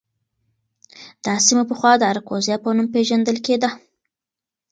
دا سیمه پخوا د اراکوزیا په نوم پېژندل کېده.